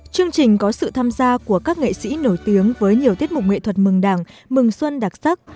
chương trình có sự tham gia của các nghệ sĩ nổi tiếng với nhiều tiết mục nghệ thuật mừng đảng mừng xuân đặc sắc